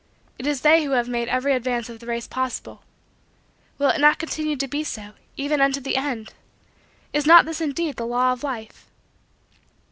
It is they who have made every advance of the race possible. Will it not continue to be so, even unto the end? Is not this indeed the law of Life?